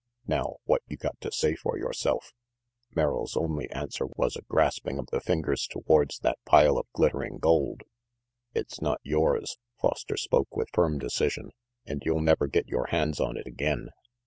Now what you got to say for yoreself?" Merrill's only answer was a grasping of the fingers towards that pile of glittering gold. "It's not yours," Foster spoke with firm decision, "and you'll never get yore hands on it again.